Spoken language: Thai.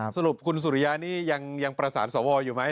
สรุปคุณสุริยานี่ยังประสานสวอยู่ไหม